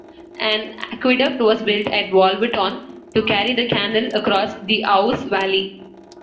An aqueduct was built at Wolverton to carry the canal across the Ouse valley.